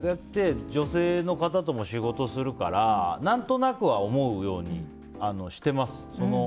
ある程度の年齢でやって女性の方とも仕事するから何となくは思うようにしてます。